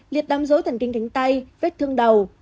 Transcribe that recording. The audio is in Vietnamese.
liệt đam dối thần kinh cánh tay vết thương đầu